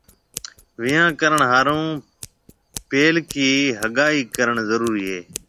ويهان ڪرڻ هارون پيلڪِي هگائي ڪرڻ ضرُورِي هيَ۔